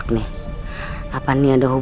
kayaknya aku bahkan